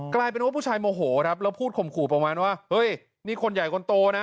กลายเป็นว่าผู้ชายโมโหครับแล้วพูดข่มขู่ประมาณว่าเฮ้ยนี่คนใหญ่คนโตนะ